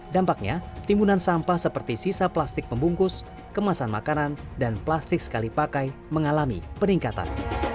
dampaknya timbunan sampah seperti sisa plastik pembungkus kemasan makanan dan plastik sekali pakai mengalami peningkatan